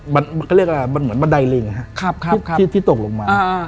มันก็เรียกว่ามันเหมือนบันไดเรงฮะครับครับครับที่ที่ตกลงมาอ่า